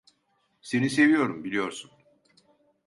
Seni seviyorum, biliyorsun.